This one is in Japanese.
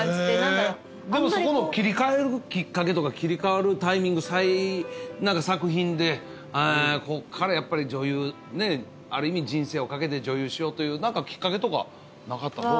でもそこの切り替えるきっかけとか切り替わるタイミング作品でこっからやっぱりある意味人生を懸けて女優しようという何かきっかけとかなかった？